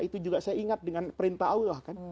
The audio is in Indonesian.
itu juga saya ingat dengan perintah allah kan